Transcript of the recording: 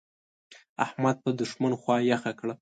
احمد په دوښمن خوا يخه کړه.